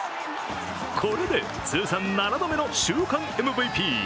これで通算７度目の週間ＭＶＰ。